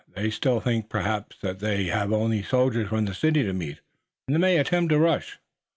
"They still think perhaps that they have only the soldiers from the city to meet, and they may attempt a rush."